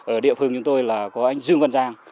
ở địa phương chúng tôi là có anh dương văn giang